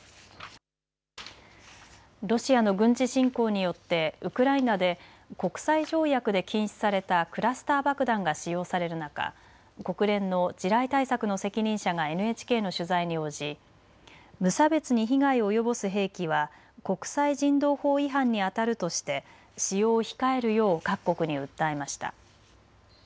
ロシアの軍事侵攻によってウクライナで国際条約で禁止されたクラスター爆弾が使用される中、国連の地雷対策の責任者がＮＨＫの取材に応じ無差別に被害を及ぼす兵器は国際人道法違反にあたるとして使用を控えるよう各国に訴えました。